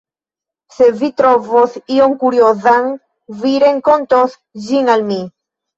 Se vi trovos ion kuriozan, vi rakontos ĝin al mi.